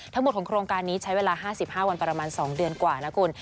ทั้งหมดของโครงการนี้ใช้เวลา๕๕วันประมาณ๒เดือนกว่านะคุณ